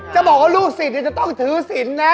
จะบอกว่ารู้กศิษฐจะไม่แต่ถือศิลป์ไง